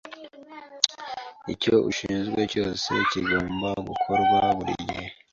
Icyo ushinzwe cyose kigomba gukorwa, buri gihe